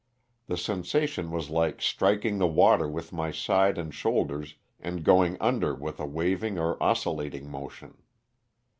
The sensation was like striking the water with my side and shoulders and going under with a waving or oscillating motion.